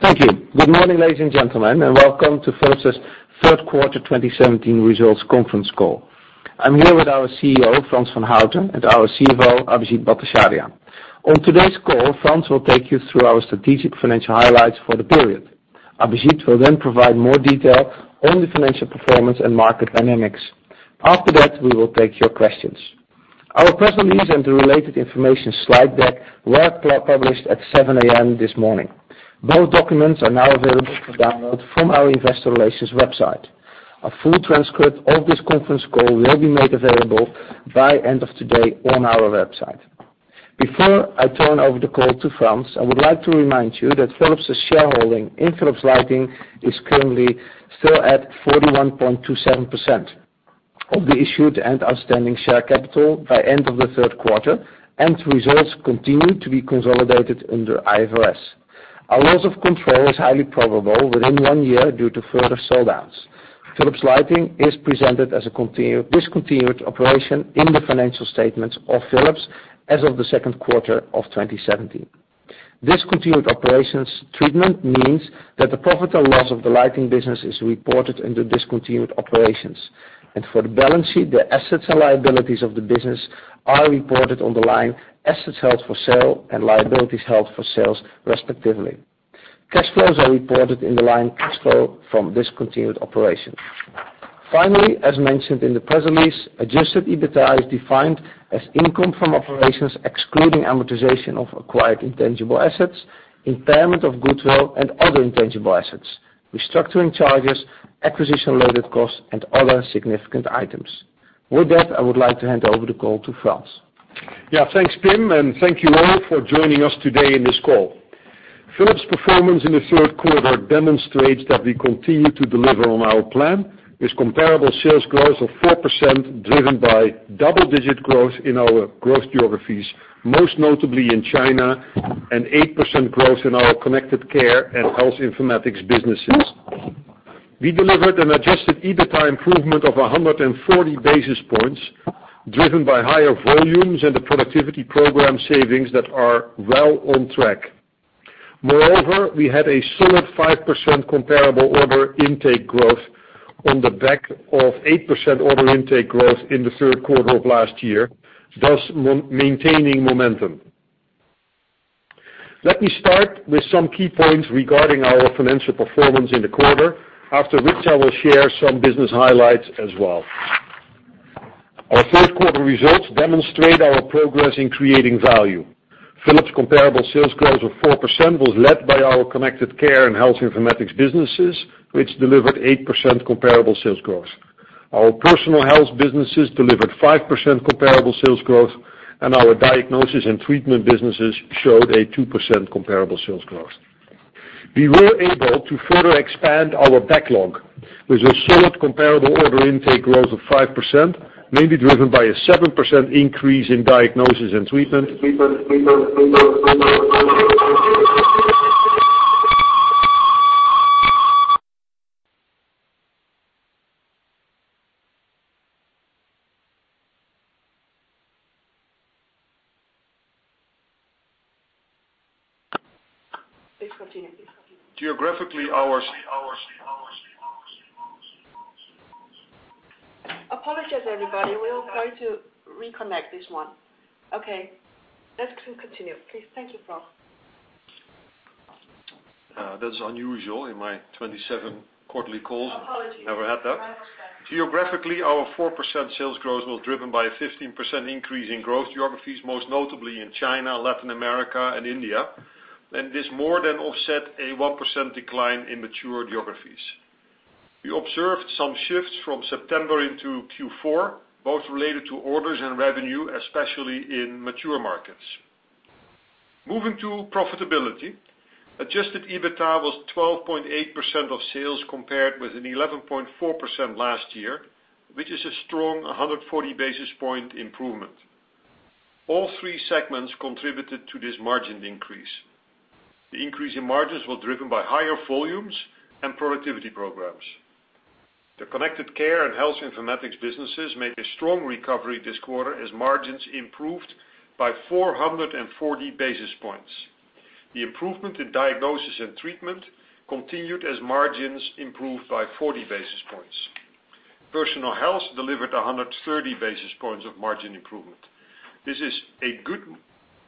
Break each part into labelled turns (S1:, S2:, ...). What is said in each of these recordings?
S1: Thank you. Good morning, ladies and gentlemen, and welcome to Philips' third quarter 2017 results conference call. I am here with our CEO, Frans van Houten, and our CFO, Abhijit Bhattacharya. On today's call, Frans will take you through our strategic financial highlights for the period. Abhijit will then provide more detail on the financial performance and market dynamics. After that, we will take your questions. Our press release and the related information slide deck were published at 7:00 A.M. this morning. Both documents are now available for download from our investor relations website. A full transcript of this conference call will be made available by end of today on our website. Before I turn over the call to Frans, I would like to remind you that Philips' shareholding in Philips Lighting is currently still at 41.27% of the issued and outstanding share capital by end of the third quarter, and results continue to be consolidated under IFRS. A loss of control is highly probable within one year due to further sell downs. Philips Lighting is presented as a discontinued operation in the financial statements of Philips as of the second quarter of 2017. Discontinued operations treatment means that the profit or loss of the lighting business is reported under discontinued operations. For the balance sheet, the assets and liabilities of the business are reported on the line assets held for sale and liabilities held for sales, respectively. Cash flows are reported in the line cash flow from discontinued operations. Finally, as mentioned in the press release, Adjusted EBITDA is defined as income from operations, excluding amortization of acquired intangible assets, impairment of goodwill and other intangible assets, restructuring charges, acquisition-related costs, and other significant items. With that, I would like to hand over the call to Frans.
S2: Thanks, Pim, and thank you all for joining us today in this call. Philips' performance in the third quarter demonstrates that we continue to deliver on our plan with comparable sales growth of 4%, driven by double-digit growth in our growth geographies, most notably in China, and 8% growth in our connected care and health informatics businesses. We delivered an Adjusted EBITDA improvement of 140 basis points, driven by higher volumes and the productivity program savings that are well on track. Moreover, we had a solid 5% comparable order intake growth on the back of 8% order intake growth in the third quarter of last year, thus maintaining momentum. Let me start with some key points regarding our financial performance in the quarter, after which I will share some business highlights as well. Our third quarter results demonstrate our progress in creating value. Philips' comparable sales growth of 4% was led by our connected care and health informatics businesses, which delivered 8% comparable sales growth. Our personal health businesses delivered 5% comparable sales growth, and our diagnosis and treatment businesses showed a 2% comparable sales growth. We were able to further expand our backlog with a solid comparable order intake growth of 5%, mainly driven by a 7% increase in diagnosis and treatment. Please continue. Geographically, our Apologize, everybody. We will try to reconnect this one. Okay. Let's continue, please. Thank you, Frans. That is unusual in my 27 quarterly calls. Apologies. Never had that. I apologize. Geographically, our 4% sales growth was driven by a 15% increase in growth geographies, most notably in China, Latin America, and India. This more than offset a 1% decline in mature geographies. We observed some shifts from September into Q4, both related to orders and revenue, especially in mature markets. Moving to profitability, Adjusted EBITDA was 12.8% of sales compared with an 11.4% last year, which is a strong 140 basis point improvement. All three segments contributed to this margin increase. The increase in margins was driven by higher volumes and productivity programs. The connected care and health informatics businesses made a strong recovery this quarter as margins improved by 440 basis points. The improvement in diagnosis and treatment continued as margins improved by 40 basis points. Personal health delivered 130 basis points of margin improvement. This is a good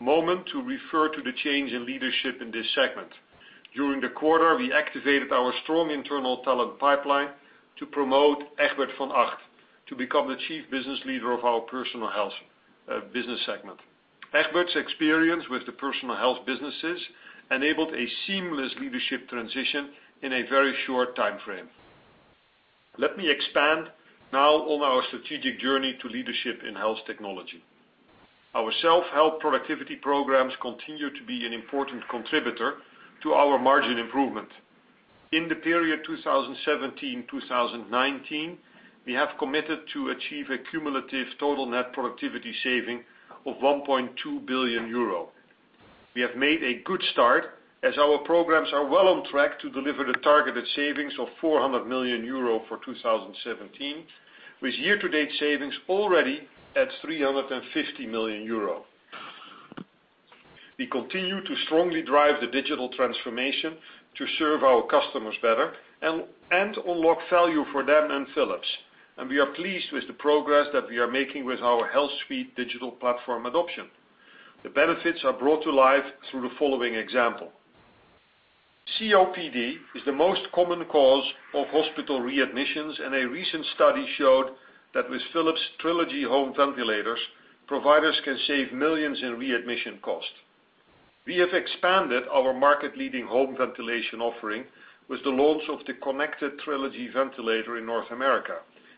S2: moment to refer to the change in leadership in this segment. During the quarter, we activated our strong internal talent pipeline to promote Egbert van Acht to become the chief business leader of our personal health business segment. Egbert's experience with the personal health businesses enabled a seamless leadership transition in a very short time frame. Let me expand now on our strategic journey to leadership in health technology. Our self-help productivity programs continue to be an important contributor to our margin improvement. In the period 2017-2019, we have committed to achieve a cumulative total net productivity saving of 1.2 billion euro. We have made a good start as our programs are well on track to deliver the targeted savings of 400 million euro for 2017, with year-to-date savings already at 350 million euro. We continue to strongly drive the digital transformation to serve our customers better and unlock value for them and Philips. We are pleased with the progress that we are making with our HealthSuite digital platform adoption. The benefits are brought to life through the following example. COPD is the most common cause of hospital readmissions, and a recent study showed that with Philips Trilogy home ventilators, providers can save millions in readmission costs. We have expanded our market-leading home ventilation offering with the launch of the connected Trilogy ventilator in North America,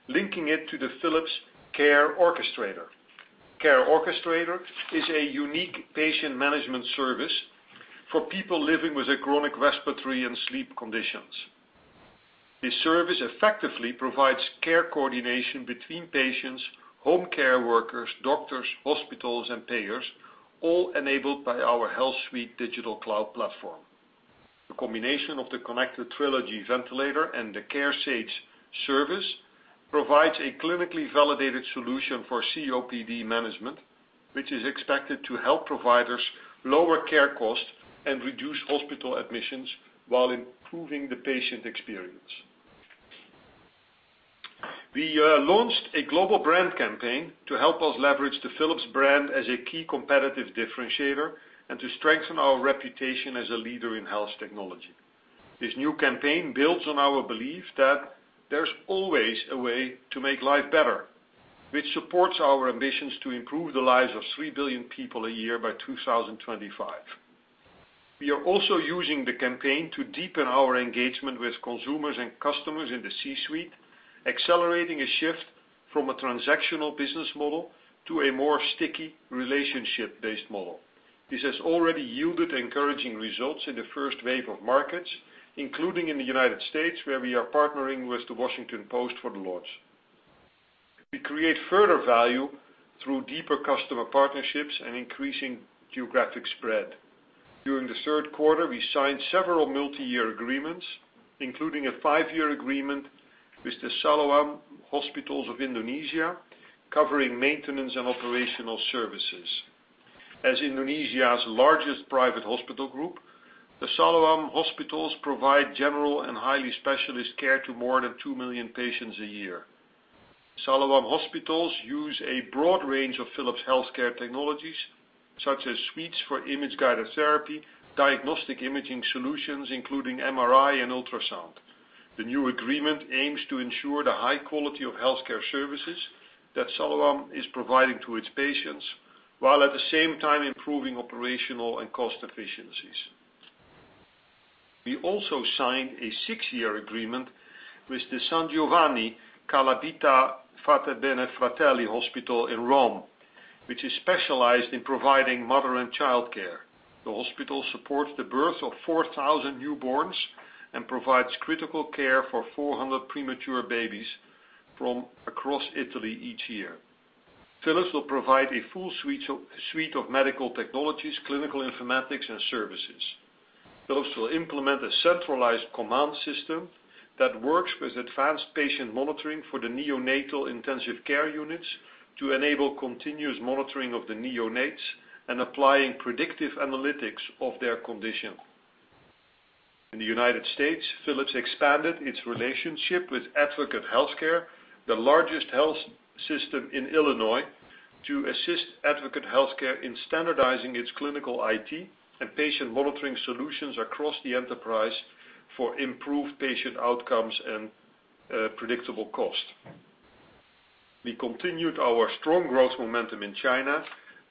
S2: linking it to the Philips Care Orchestrator. Care Orchestrator is a unique patient management service for people living with chronic respiratory and sleep conditions. This service effectively provides care coordination between patients, home care workers, doctors, hospitals, and payers, all enabled by our HealthSuite digital cloud platform. The combination of the connected Trilogy ventilator and the CareSage service provides a clinically validated solution for COPD management, which is expected to help providers lower care costs and reduce hospital admissions while improving the patient experience. We launched a global brand campaign to help us leverage the Philips brand as a key competitive differentiator and to strengthen our reputation as a leader in health technology. This new campaign builds on our belief that there's always a way to make life better, which supports our ambitions to improve the lives of 3 billion people a year by 2025. We are also using the campaign to deepen our engagement with consumers and customers in the c-suite, accelerating a shift from a transactional business model to a stickier relationship-based model. This has already yielded encouraging results in the first wave of markets, including in the U.S., where we are partnering with The Washington Post for the launch. We create further value through deeper customer partnerships and increasing geographic spread. During the third quarter, we signed several multi-year agreements, including a five-year agreement with the Siloam Hospitals of Indonesia, covering maintenance and operational services. As Indonesia's largest private hospital group, the Siloam Hospitals provide general and highly specialist care to more than 2 million patients a year. Siloam Hospitals use a broad range of Philips healthcare technologies, such as suites for image-guided therapy, diagnostic imaging solutions, including MRI and ultrasound. The new agreement aims to ensure the high quality of healthcare services that Siloam is providing to its patients while at the same time improving operational and cost efficiencies. We also signed a six-year agreement with the Ospedale San Giovanni Calibita - Fatebenefratelli in Rome, which is specialized in providing mother and child care. The hospital supports the birth of 4,000 newborns and provides critical care for 400 premature babies from across Italy each year. Philips will provide a full suite of medical technologies, clinical informatics, and services. Those will implement a centralized command system that works with advanced patient monitoring for the neonatal intensive care units to enable continuous monitoring of the neonates and applying predictive analytics of their condition. In the U.S., Philips expanded its relationship with Advocate Health Care, the largest health system in Illinois, to assist Advocate Health Care in standardizing its clinical IT and patient monitoring solutions across the enterprise for improved patient outcomes and predictable cost. We continued our strong growth momentum in China,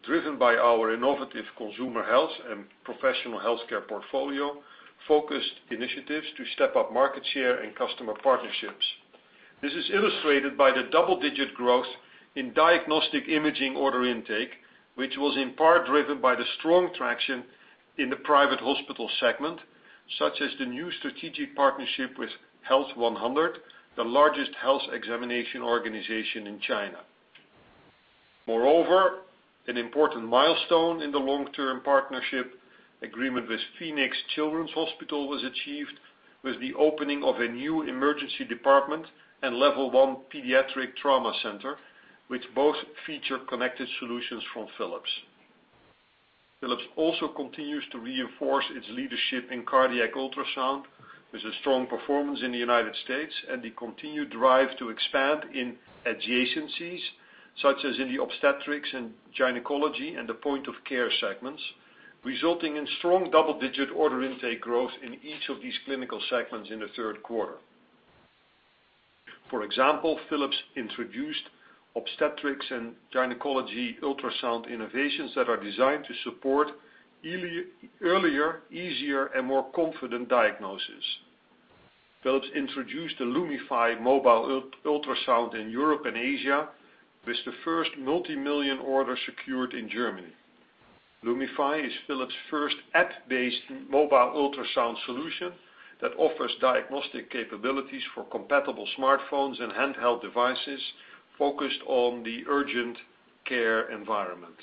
S2: driven by our innovative consumer health and professional healthcare portfolio, focused initiatives to step up market share and customer partnerships. This is illustrated by the double-digit growth in diagnostic imaging order intake, which was in part driven by the strong traction in the private hospital segment, such as the new strategic partnership with Health 100, the largest health examination organization in China. Moreover, an important milestone in the long-term partnership agreement with Phoenix Children's Hospital was achieved with the opening of a new emergency department and level 1 pediatric trauma center, which both feature connected solutions from Philips. Philips also continues to reinforce its leadership in cardiac ultrasound with a strong performance in the U.S. and the continued drive to expand in adjacencies such as in the obstetrics and gynecology and the point of care segments, resulting in strong double-digit order intake growth in each of these clinical segments in the third quarter. For example, Philips introduced obstetrics and gynecology ultrasound innovations that are designed to support earlier, easier, and more confident diagnosis. Philips introduced the Lumify mobile ultrasound in Europe and Asia with the first multimillion order secured in Germany. Lumify is Philips' first app-based mobile ultrasound solution that offers diagnostic capabilities for compatible smartphones and handheld devices focused on the urgent care environment.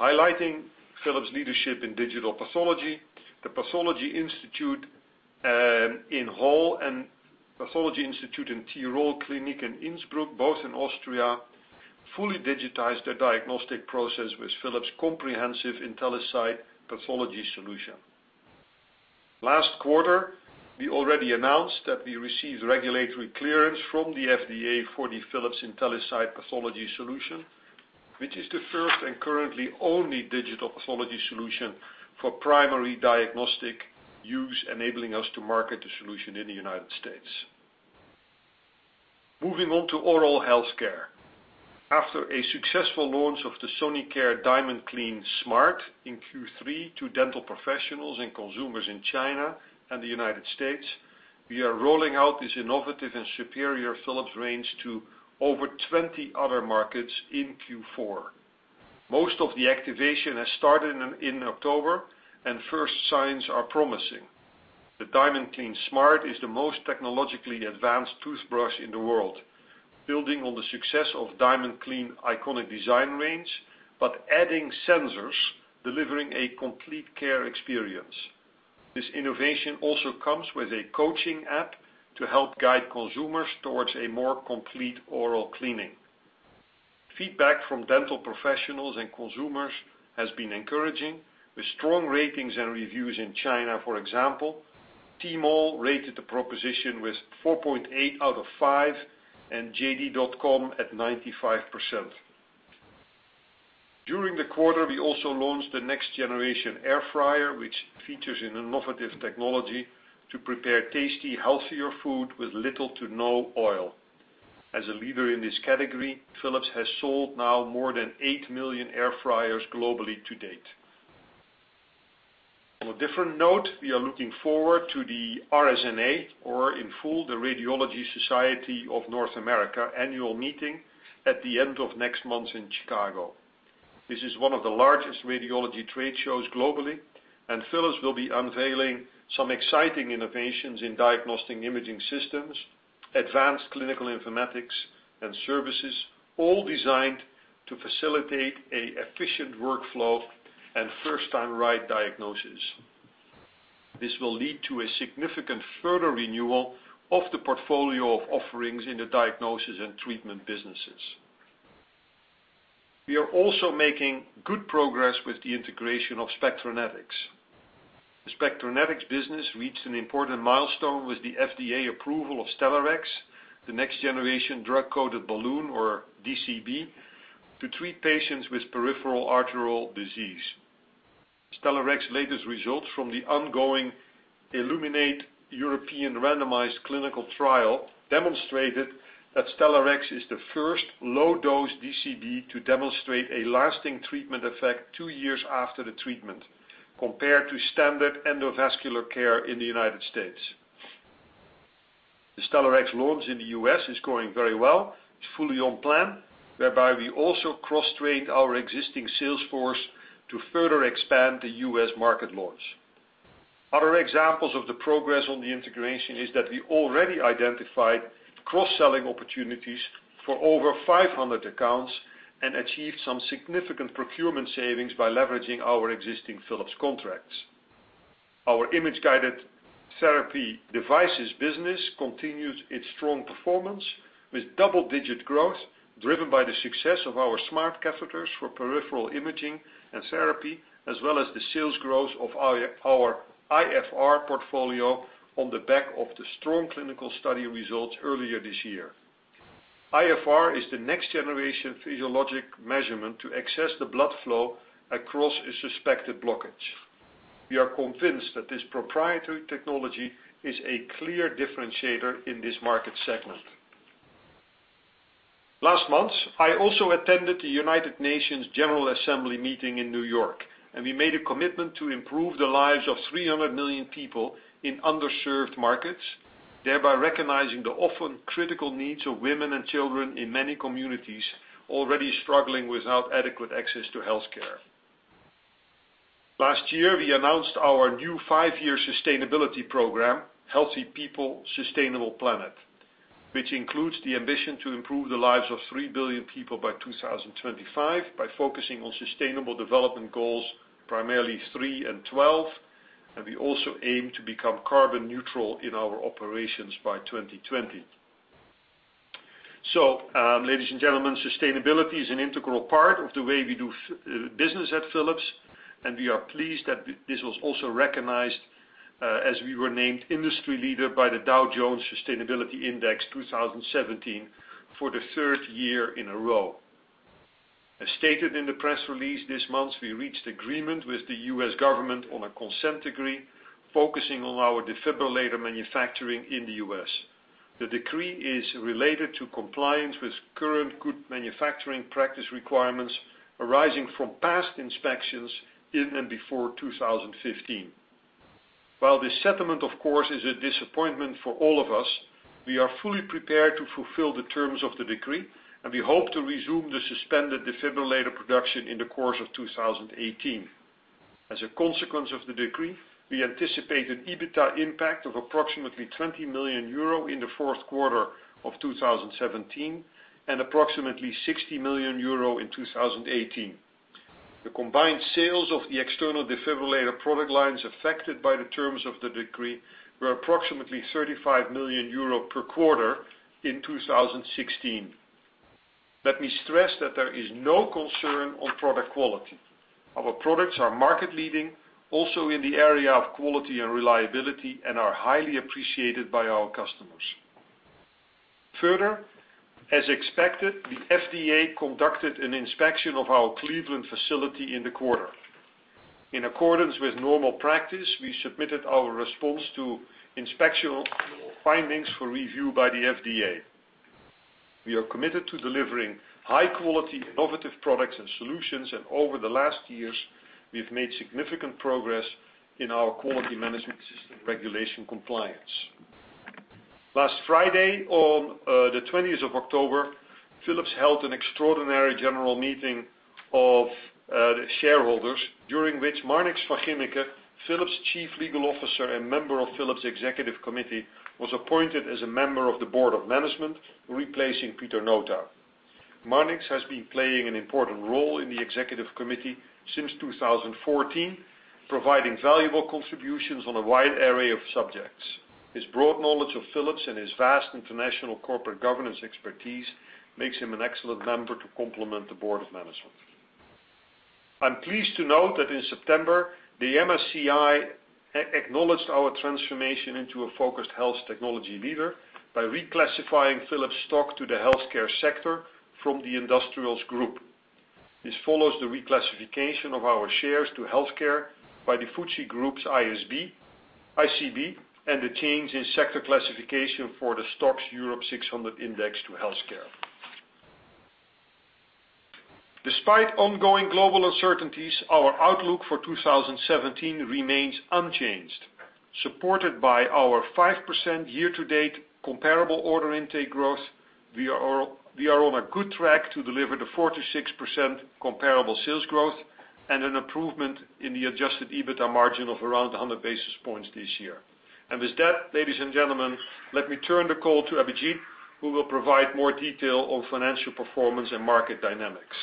S2: Highlighting Philips' leadership in digital pathology, the Pathology Institute in Hall and Pathology Institute in Tirol Kliniken in Innsbruck, both in Austria, fully digitized their diagnostic process with Philips IntelliSite pathology solution. Last quarter, we already announced that we received regulatory clearance from the FDA for the Philips IntelliSite pathology solution, which is the first and currently only digital pathology solution for primary diagnostic use, enabling us to market the solution in the U.S. Moving on to oral healthcare. After a successful launch of the Philips Sonicare DiamondClean Smart in Q3 to dental professionals and consumers in China and the U.S., we are rolling out this innovative and superior Philips range to over 20 other markets in Q4. Most of the activation has started in October, and first signs are promising. The DiamondClean Smart is the most technologically advanced toothbrush in the world, building on the success of DiamondClean iconic design range, but adding sensors delivering a complete care experience. This innovation also comes with a coaching app to help guide consumers towards a more complete oral cleaning. Feedback from dental professionals and consumers has been encouraging, with strong ratings and reviews in China. For example, Tmall rated the proposition with 4.8 out of five and JD.com at 95%. During the quarter, we also launched the next generation air fryer, which features an innovative technology to prepare tasty, healthier food with little to no oil. As a leader in this category, Philips has sold now more than 8 million air fryers globally to date. On a different note, we are looking forward to the RSNA or in full, the Radiological Society of North America annual meeting at the end of next month in Chicago. This is one of the largest radiology trade shows globally, and Philips will be unveiling some exciting innovations in diagnostic imaging systems, advanced clinical informatics and services, all designed to facilitate an efficient workflow and first-time right diagnosis. This will lead to a significant further renewal of the portfolio of offerings in the Diagnosis & Treatment businesses. We are also making good progress with the integration of Spectranetics. The Spectranetics business reached an important milestone with the FDA approval of Stellarex, the next generation drug-coated balloon, or DCB, to treat patients with peripheral arterial disease. ILLUMENATE Stellarex latest results from the ongoing European randomized clinical trial demonstrated that Stellarex is the first low-dose DCB to demonstrate a lasting treatment effect 2 years after the treatment, compared to standard endovascular care in the U.S. The Stellarex launch in the U.S. is going very well. It's fully on plan, whereby we also cross-train our existing sales force to further expand the U.S. market launch. Other examples of the progress on the integration is that we already identified cross-selling opportunities for over 500 accounts and achieved some significant procurement savings by leveraging our existing Philips contracts. Our image-guided therapy devices business continues its strong performance with double-digit growth driven by the success of our smart catheters for peripheral imaging and therapy, as well as the sales growth of our iFR portfolio on the back of the strong clinical study results earlier this year. iFR is the next generation physiologic measurement to assess the blood flow across a suspected blockage. We are convinced that this proprietary technology is a clear differentiator in this market segment. Last month, I also attended the United Nations General Assembly meeting in N.Y., we made a commitment to improve the lives of 300 million people in underserved markets, thereby recognizing the often critical needs of women and children in many communities already struggling without adequate access to healthcare. Last year, we announced our new five-year sustainability program, Healthy people, Sustainable planet, which includes the ambition to improve the lives of 3 billion people by 2025 by focusing on sustainable development goals, primarily 3 and 12, we also aim to become carbon neutral in our operations by 2020. Ladies and gentlemen, sustainability is an integral part of the way we do business at Philips, and we are pleased that this was also recognized as we were named industry leader by the Dow Jones Sustainability Index 2017 for the third year in a row. As stated in the press release this month, we reached agreement with the U.S. government on a consent decree focusing on our defibrillator manufacturing in the U.S. The decree is related to compliance with current good manufacturing practice requirements arising from past inspections in and before 2015. While this settlement, of course, is a disappointment for all of us, we are fully prepared to fulfill the terms of the decree, we hope to resume the suspended defibrillator production in the course of 2018. As a consequence of the decree, we anticipate an EBITDA impact of approximately 20 million euro in the fourth quarter of 2017 and approximately 60 million euro in 2018. The combined sales of the external defibrillator product lines affected by the terms of the decree were approximately 35 million euro per quarter in 2016. Let me stress that there is no concern on product quality. Our products are market leading, also in the area of quality and reliability, and are highly appreciated by our customers. Further, as expected, the FDA conducted an inspection of our Cleveland facility in the quarter. In accordance with normal practice, we submitted our response to inspection findings for review by the FDA. We are committed to delivering high-quality, innovative products and solutions, over the last years, we've made significant progress in our quality management system regulation compliance. Last Friday, on the 20th of October, Philips held an extraordinary general meeting of the shareholders, during which Marnix van Ginneken, Philips' Chief Legal Officer and member of Philips' Executive Committee, was appointed as a member of the Board of Management, replacing Pieter Nota. Marnix has been playing an important role in the Executive Committee since 2014, providing valuable contributions on a wide array of subjects. His broad knowledge of Philips and his vast international corporate governance expertise makes him an excellent member to complement the Board of Management. I'm pleased to note that in September, the MSCI acknowledged our transformation into a focused health technology leader by reclassifying Philips stock to the healthcare sector from the industrials group. This follows the reclassification of our shares to healthcare by the FTSE Group's ICB, and the change in sector classification for the STOXX Europe 600 index to healthcare. Despite ongoing global uncertainties, our outlook for 2017 remains unchanged. Supported by our 5% year-to-date comparable order intake growth, we are on a good track to deliver the 4%-6% comparable sales growth, and an improvement in the Adjusted EBITDA margin of around 100 basis points this year. With that, ladies and gentlemen, let me turn the call to Abhijit, who will provide more detail on financial performance and market dynamics.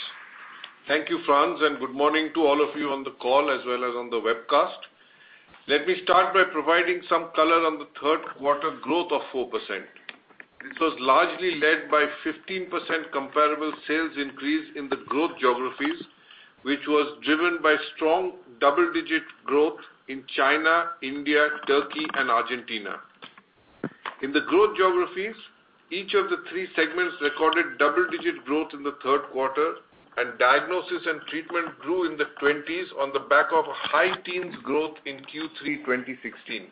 S3: Thank you, Frans. Good morning to all of you on the call as well as on the webcast. Let me start by providing some color on the third quarter growth of 4%. This was largely led by 15% comparable sales increase in the growth geographies, which was driven by strong double-digit growth in China, India, Turkey, and Argentina. In the growth geographies, each of the three segments recorded double-digit growth in the third quarter, and Diagnosis & Treatment grew in the 20s on the back of high teens growth in Q3 2016.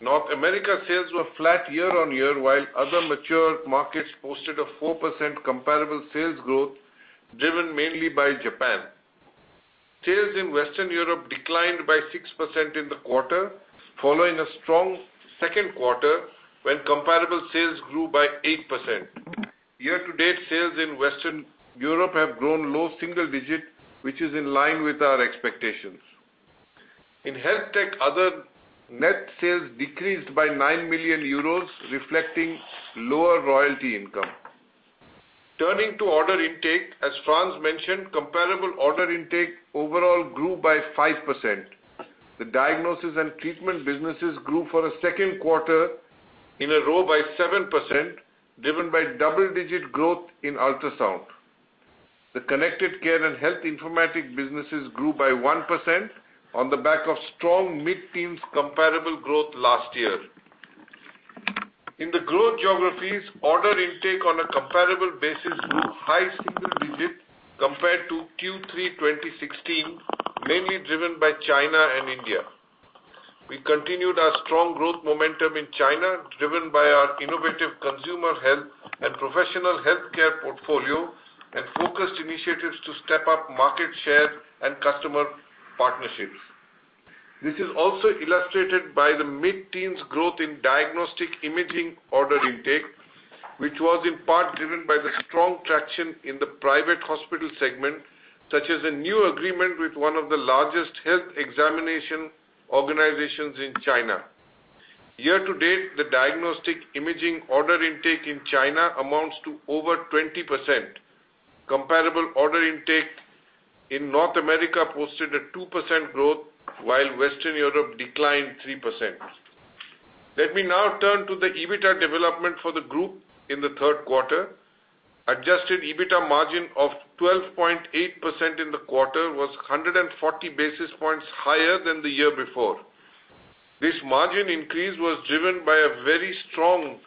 S3: North America sales were flat year-on-year, while other mature markets posted a 4% comparable sales growth, driven mainly by Japan. Sales in Western Europe declined by 6% in the quarter, following a strong second quarter when comparable sales grew by 8%. Year-to-date, sales in Western Europe have grown low single digit, which is in line with our expectations. In HealthTech other, net sales decreased by 9 million euros, reflecting lower royalty income. Turning to order intake, as Frans mentioned, comparable order intake overall grew by 5%. The Diagnosis & Treatment businesses grew for a second quarter in a row by 7%, driven by double-digit growth in ultrasound. The Connected Care and Health Informatics businesses grew by 1% on the back of strong mid-teens comparable growth last year. In the growth geographies, order intake on a comparable basis grew high single digit compared to Q3 2016, mainly driven by China and India. We continued our strong growth momentum in China, driven by our innovative consumer health and professional healthcare portfolio, and focused initiatives to step up market share and customer partnerships. This is also illustrated by the mid-teens growth in Diagnostic Imaging order intake, which was in part driven by the strong traction in the private hospital segment, such as a new agreement with one of the largest health examination organizations in China. Year-to-date, the Diagnostic Imaging order intake in China amounts to over 20%. Comparable order intake in North America posted a 2% growth, while Western Europe declined 3%. Let me now turn to the EBITDA development for the group in the third quarter. Adjusted EBITDA margin of 12.8% in the quarter was 140 basis points higher than the year before. This margin increase was driven by a very strong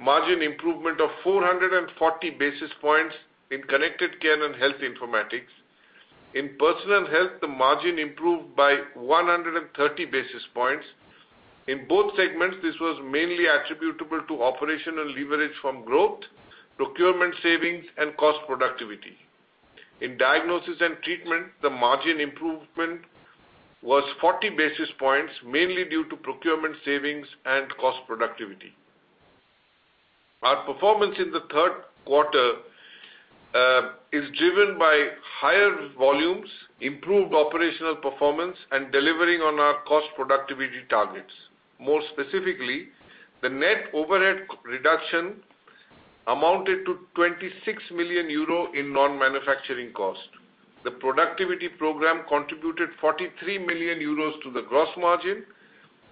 S3: margin improvement of 440 basis points in Connected Care and Health Informatics. In Personal Health, the margin improved by 130 basis points. In both segments, this was mainly attributable to operational leverage from growth, procurement savings, and cost productivity. In Diagnosis & Treatment, the margin improvement was 40 basis points, mainly due to procurement savings and cost productivity. Our performance in the third quarter is driven by higher volumes, improved operational performance, and delivering on our cost productivity targets. More specifically, the net overhead reduction amounted to 26 million euro in non-manufacturing cost. The productivity program contributed 43 million euros to the gross margin,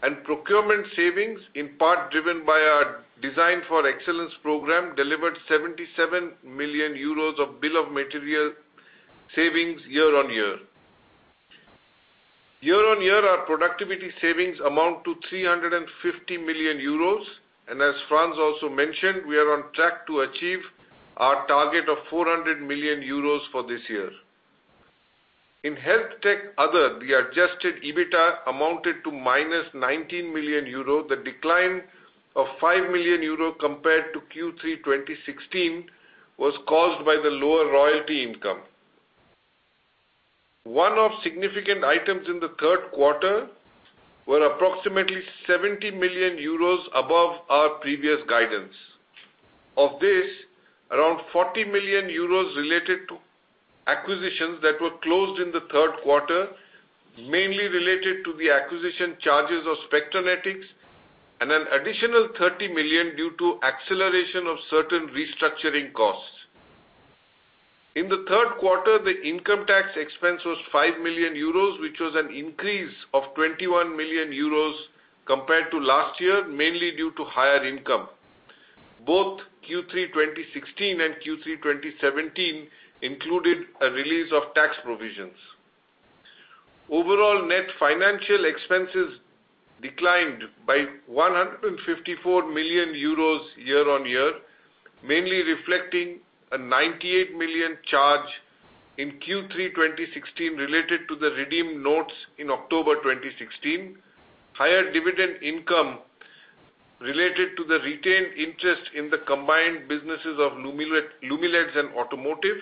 S3: and procurement savings, in part driven by our Design for Excellence program, delivered 77 million euros of bill of material savings year-on-year. Year-on-year, our productivity savings amount to 350 million euros, and as Frans also mentioned, we are on track to achieve our target of 400 million euros for this year. In HealthTech other, the Adjusted EBITA amounted to minus 19 million euro. The decline of 5 million euro compared to Q3 2016 was caused by the lower royalty income. One-off significant items in the third quarter were approximately 70 million euros above our previous guidance. Of this, around 40 million euros related to acquisitions that were closed in the third quarter, mainly related to the acquisition charges of Spectranetics, and an additional 30 million due to acceleration of certain restructuring costs. In the third quarter, the income tax expense was 5 million euros, which was an increase of 21 million euros compared to last year, mainly due to higher income. Both Q3 2016 and Q3 2017 included a release of tax provisions. Overall net financial expenses declined by 154 million euros year-on-year, mainly reflecting a 98 million charge in Q3 2016 related to the redeemed notes in October 2016, higher dividend income related to the retained interest in the combined businesses of Lumileds and Automotive,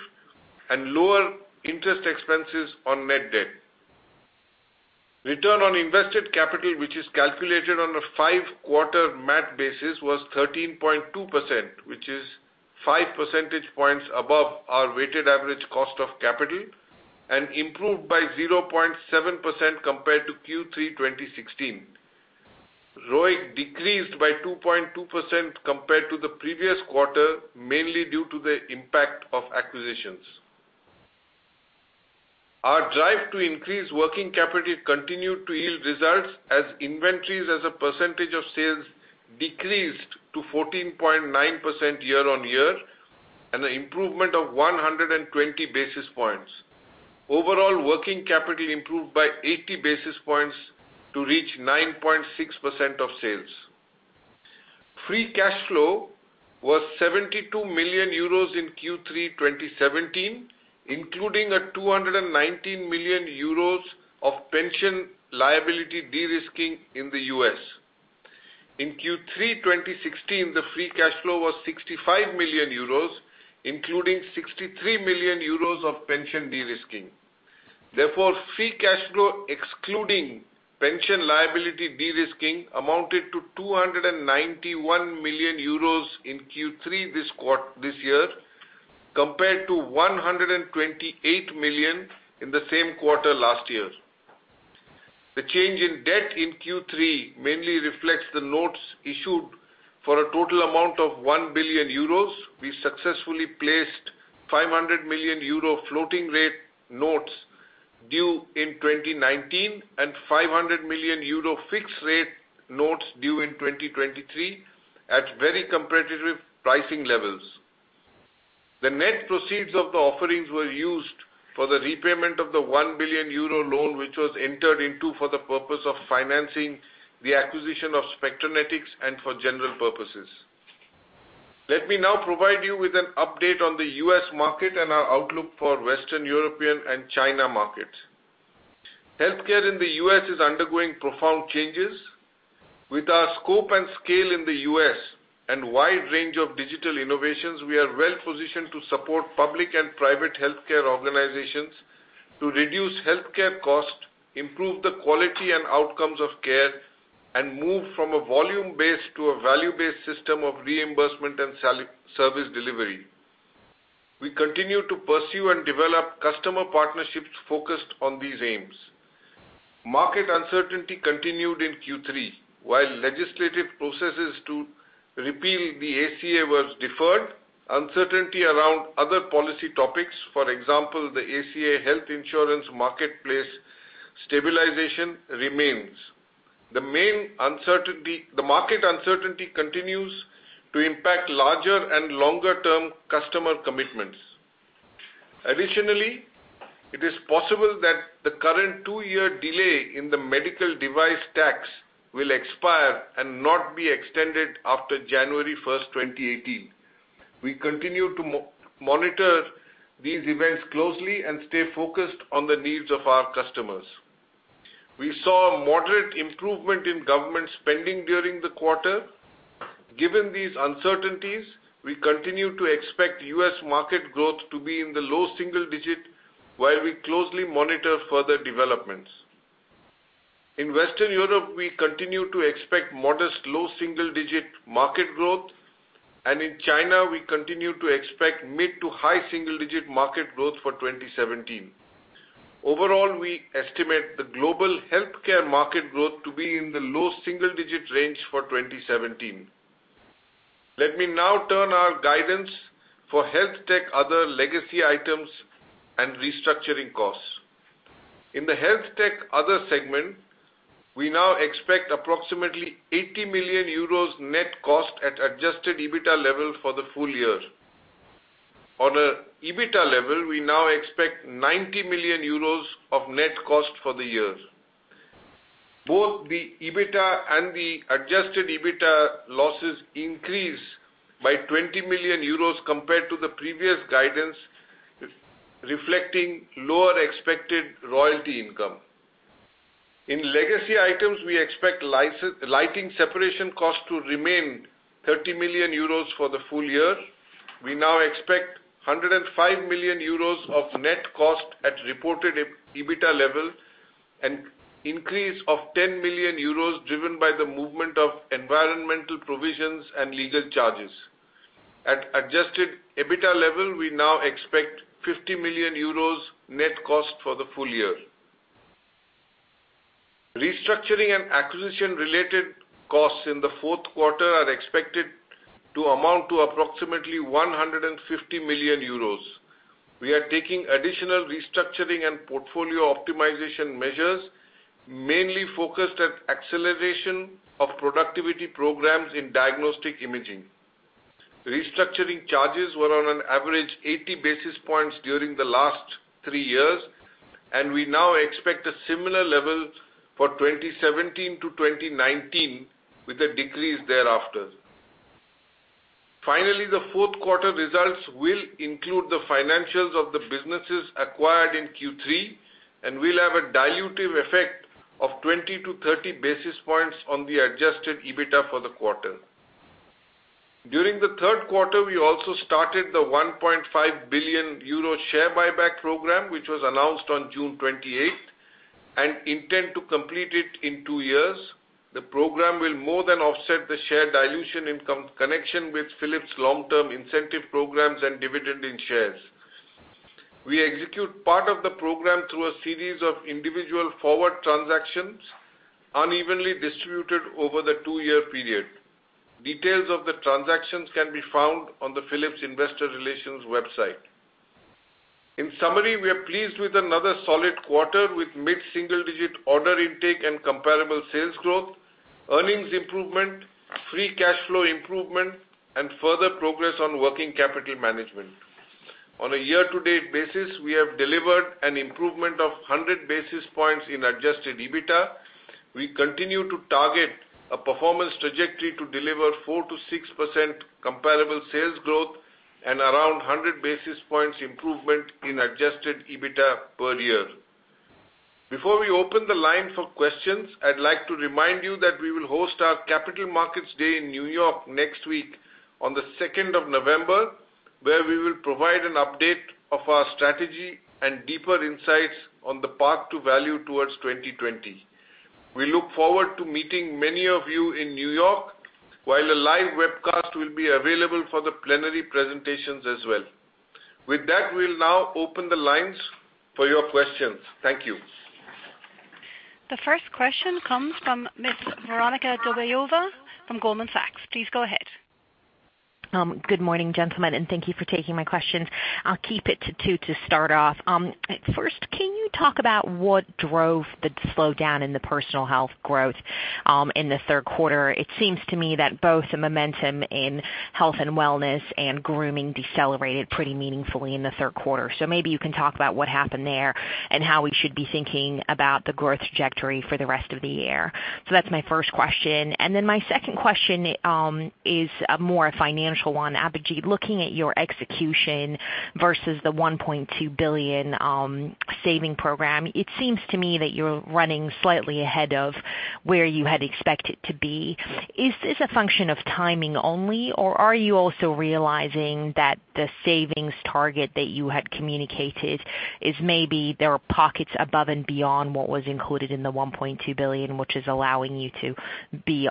S3: and lower interest expenses on net debt. Return on invested capital, which is calculated on a 5-quarter mat basis, was 13.2%, which is five percentage points above our weighted average cost of capital, and improved by 0.7% compared to Q3 2016. ROIC decreased by 2.2% compared to the previous quarter, mainly due to the impact of acquisitions. Our drive to increase working capital continued to yield results as inventories as a percentage of sales decreased to 14.9% year-on-year, an improvement of 120 basis points. Overall, working capital improved by 80 basis points to reach 9.6% of sales. Free cash flow was 72 million euros in Q3 2017, including a 219 million euros of pension liability de-risking in the U.S. In Q3 2016, the free cash flow was 65 million euros, including 63 million euros of pension de-risking. Therefore, free cash flow excluding pension liability de-risking amounted to 291 million euros in Q3 this year, compared to 128 million in the same quarter last year. The change in debt in Q3 mainly reflects the notes issued for a total amount of 1 billion euros. We successfully placed 500 million euro floating rate notes due in 2019 and 500 million euro fixed rate notes due in 2023 at very competitive pricing levels. The net proceeds of the offerings were used for the repayment of the 1 billion euro loan, which was entered into for the purpose of financing the acquisition of Spectranetics and for general purposes. Let me now provide you with an update on the U.S. market and our outlook for Western European and China markets. Healthcare in the U.S. is undergoing profound changes. With our scope and scale in the U.S. and wide range of digital innovations, we are well positioned to support public and private healthcare organizations to reduce healthcare costs, improve the quality and outcomes of care, and move from a volume-based to a value-based system of reimbursement and service delivery. We continue to pursue and develop customer partnerships focused on these aims. Market uncertainty continued in Q3. While legislative processes to repeal the ACA was deferred, uncertainty around other policy topics, for example, the ACA health insurance marketplace stabilization remains. The market uncertainty continues to impact larger and longer-term customer commitments. It is possible that the current two-year delay in the medical device tax will expire and not be extended after January 1, 2018. We continue to monitor these events closely and stay focused on the needs of our customers. We saw a moderate improvement in government spending during the quarter. Given these uncertainties, we continue to expect U.S. market growth to be in the low single-digit while we closely monitor further developments. In Western Europe, we continue to expect modest low double-digit market growth, and in China, we continue to expect mid to high single-digit market growth for 2017. Overall, we estimate the global healthcare market growth to be in the low single-digit range for 2017. Let me now turn our guidance for Health Tech other legacy items and restructuring costs. In the Health Tech other segment, we now expect approximately 80 million euros net cost at Adjusted EBITA level for the full year. On an EBITA level, we now expect 90 million euros of net cost for the year. Both the EBITA and the Adjusted EBITA losses increase by 20 million euros compared to the previous guidance, reflecting lower expected royalty income. In legacy items, we expect Lighting separation costs to remain 30 million euros for the full year. We now expect 105 million euros of net cost at reported EBITA level, an increase of 10 million euros driven by the movement of environmental provisions and legal charges. At Adjusted EBITA level, we now expect 50 million euros net cost for the full year. Restructuring and acquisition-related costs in the fourth quarter are expected to amount to approximately 150 million euros. We are taking additional restructuring and portfolio optimization measures, mainly focused on acceleration of productivity programs in Diagnostic Imaging. Restructuring charges were on average 80 basis points during the last three years, and we now expect a similar level for 2017-2019, with a decrease thereafter. Finally, the fourth quarter results will include the financials of the businesses acquired in Q3 and will have a dilutive effect of 20-30 basis points on the Adjusted EBITA for the quarter. During the third quarter, we also started the 1.5 billion euro share buyback program, which was announced on June 28, and intend to complete it in two years. The program will more than offset the share dilution in connection with Philips' long-term incentive programs and dividend in shares. We execute part of the program through a series of individual forward transactions unevenly distributed over the two-year period. Details of the transactions can be found on the Philips investor relations website. In summary, we are pleased with another solid quarter with mid-single-digit order intake and comparable sales growth, earnings improvement, free cash flow improvement, and further progress on working capital management. On a year-to-date basis, we have delivered an improvement of 100 basis points in Adjusted EBITA. We continue to target a performance trajectory to deliver 4%-6% comparable sales growth and around 100 basis points improvement in Adjusted EBITA per year. Before we open the line for questions, I'd like to remind you that we will host our Capital Markets Day in N.Y. next week on the 2nd of November, where we will provide an update of our strategy and deeper insights on the path to value towards 2020. We look forward to meeting many of you in N.Y., while a live webcast will be available for the plenary presentations as well. We'll now open the lines for your questions. Thank you.
S4: The first question comes from Ms. Veronika Dubajova from Goldman Sachs. Please go ahead.
S5: Good morning, gentlemen. Thank you for taking my questions. I'll keep it to two to start off. First, can you talk about what drove the slowdown in the personal health growth in the third quarter? It seems to me that both the momentum in health and wellness and grooming decelerated pretty meaningfully in the third quarter. Maybe you can talk about what happened there and how we should be thinking about the growth trajectory for the rest of the year. That's my first question. My second question is more a financial one. Abhijit, looking at your execution versus the 1.2 billion saving program, it seems to me that you're running slightly ahead of where you had expected to be. Is this a function of timing only, or are you also realizing that the savings target that you had communicated is maybe there are pockets above and beyond what was included in the 1.2 billion, which is allowing you to be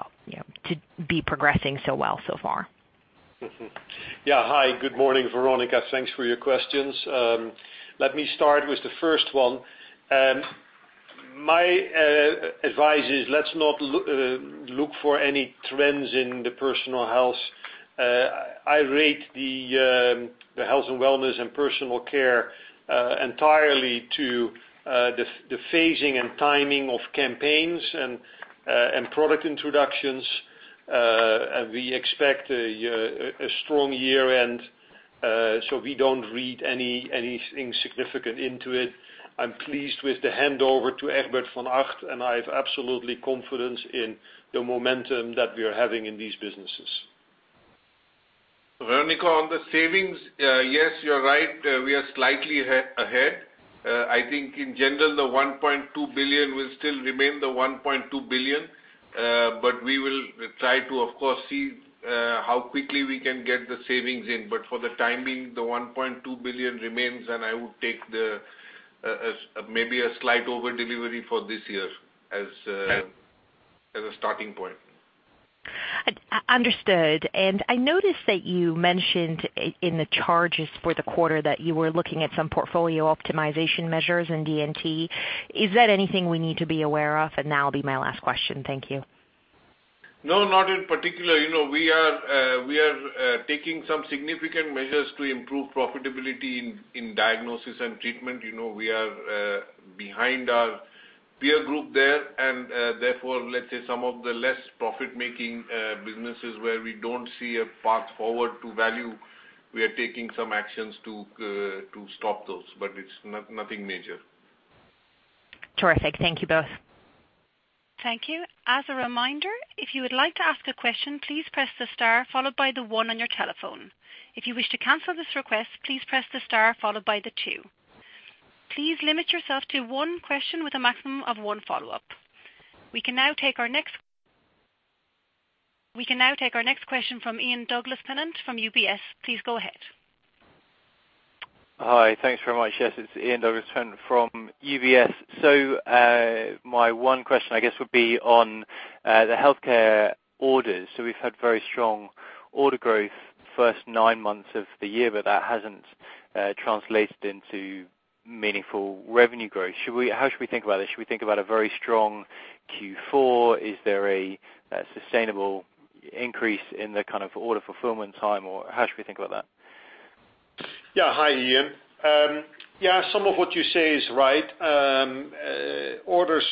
S5: progressing so well so far?
S3: Hi, good morning, Veronika. Thanks for your questions. Let me start with the first one. My advice is, let's not look for any trends in the Personal Health. I rate the health and wellness and personal care entirely to the phasing and timing of campaigns and product introductions. We expect a strong year-end. We don't read anything significant into it. I'm pleased with the handover to Egbert van Acht, and I have absolutely confidence in the momentum that we are having in these businesses. Veronika, on the savings, yes, you're right, we are slightly ahead. I think in general, the 1.2 billion will still remain the 1.2 billion. We will try to, of course, see how quickly we can get the savings in. For the time being, the 1.2 billion remains, and I would take maybe a slight overdelivery for this year as a starting point.
S5: Understood. I noticed that you mentioned in the charges for the quarter that you were looking at some portfolio optimization measures in D&T. Is that anything we need to be aware of? That will be my last question. Thank you.
S3: No, not in particular. We are taking some significant measures to improve profitability in Diagnosis & Treatment. We are behind our peer group there. Therefore, let's say some of the less profit-making businesses where we don't see a path forward to value, we are taking some actions to stop those. It's nothing major.
S5: Terrific. Thank you both.
S4: Thank you. As a reminder, if you would like to ask a question, please press the star followed by the 1 on your telephone. If you wish to cancel this request, please press the star followed by the 2. Please limit yourself to 1 question with a maximum of 1 follow-up. We can now take our next question from Ian Douglas-Pennant from UBS. Please go ahead.
S6: Hi. Thanks very much. Yes, it's Ian Douglas-Pennant from UBS. My 1 question, I guess, would be on the healthcare orders. We've had very strong order growth first 9 months of the year, but that hasn't translated into meaningful revenue growth. How should we think about this? Should we think about a very strong Q4? Is there a sustainable increase in the kind of order fulfillment time, or how should we think about that?
S2: Yeah. Hi, Ian. Yeah, some of what you say is right. Orders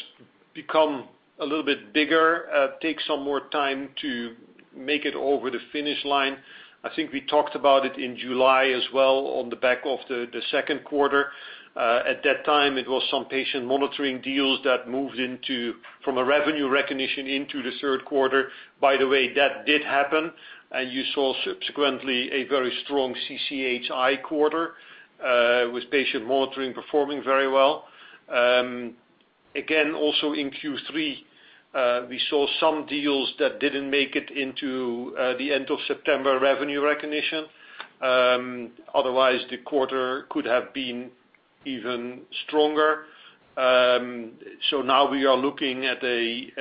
S2: become a little bit bigger, take some more time to make it over the finish line. I think we talked about it in July as well on the back of the second quarter. At that time, it was some patient monitoring deals that moved from a revenue recognition into the third quarter. By the way, that did happen. You saw subsequently a very strong CCHI quarter, with patient monitoring performing very well. Also in Q3, we saw some deals that didn't make it into the end of September revenue recognition. Otherwise, the quarter could have been even stronger. Now we are looking at a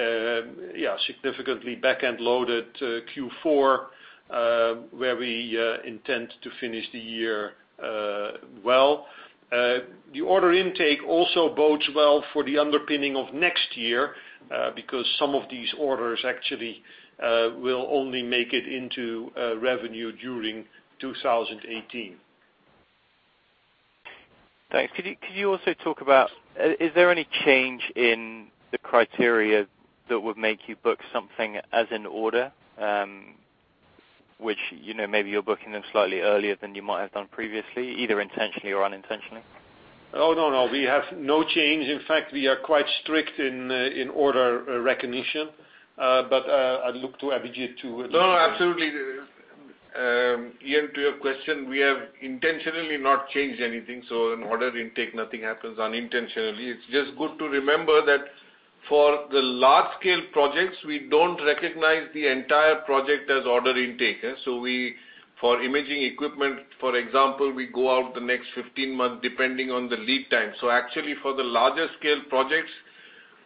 S2: significantly back-end loaded Q4, where we intend to finish the year well. The order intake also bodes well for the underpinning of next year, because some of these orders actually will only make it into revenue during 2018.
S6: Thanks. Could you also talk about, is there any change in the criteria that would make you book something as an order? Which maybe you're booking them slightly earlier than you might have done previously, either intentionally or unintentionally.
S2: Oh, no, we have no change. In fact, we are quite strict in order recognition. I look to Abhijit.
S3: No, absolutely. Ian, to your question, we have intentionally not changed anything, in order intake nothing happens unintentionally. It's just good to remember that for the large-scale projects, we don't recognize the entire project as order intake. For imaging equipment, for example, we go out the next 15 months depending on the lead time. Actually for the larger scale projects,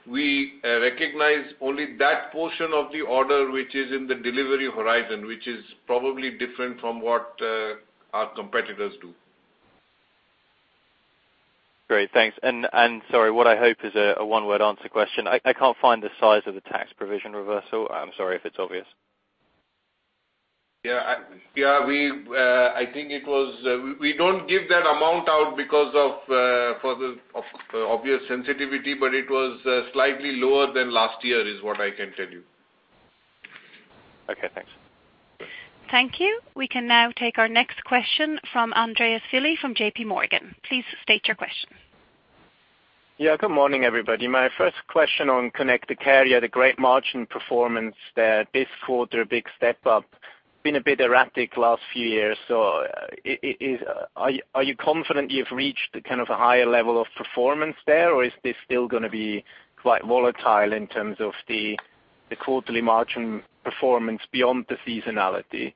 S3: we recognize only that portion of the order, which is in the delivery horizon, which is probably different from what our competitors do.
S6: Great. Thanks. Sorry, what I hope is a one-word answer question. I cannot find the size of the tax provision reversal. I am sorry if it is obvious.
S3: Yeah. I think we do not give that amount out because of the obvious sensitivity, but it was slightly lower than last year is what I can tell you.
S6: Okay, thanks.
S4: Thank you. We can now take our next question from Andreas Filley from JP Morgan. Please state your question.
S7: Good morning, everybody. My first question on Connected Care, you had a great margin performance there this quarter, a big step up. Been a bit erratic the last few years. Are you confident you've reached the higher level of performance there, or is this still going to be quite volatile in terms of the quarterly margin performance beyond the seasonality?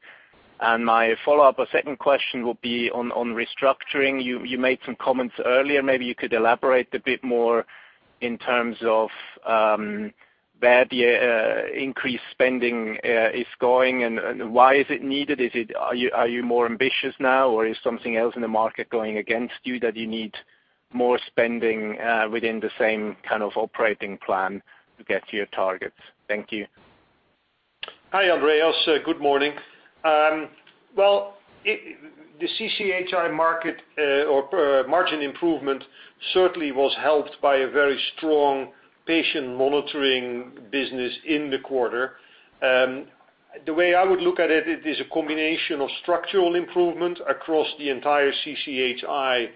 S7: My follow-up or second question will be on restructuring. You made some comments earlier. Maybe you could elaborate a bit more in terms of where the increased spending is going and why is it needed. Are you more ambitious now, or is something else in the market going against you that you need more spending within the same operating plan to get to your targets? Thank you.
S2: Hi, Andreas. Good morning. The CCHI margin improvement certainly was helped by a very strong patient monitoring business in the quarter. The way I would look at it is a combination of structural improvement across the entire CCHI